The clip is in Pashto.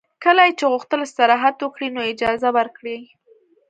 کله یې چې غوښتل استراحت وکړي نو اجازه ورکړئ